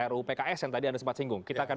ruu pks yang tadi anda sempat singgung kita akan